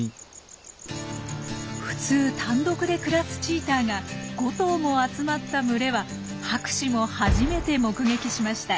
普通単独で暮らすチーターが５頭も集まった群れは博士も初めて目撃しました。